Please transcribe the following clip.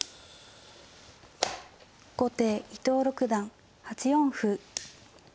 後手伊藤六段８四歩。